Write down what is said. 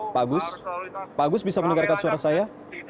pak agus pak agus bisa mendengarkan suara saya